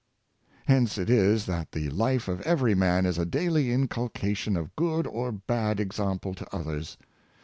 Hence it is that the life of every man is a daily incul cation of good or bad example to others.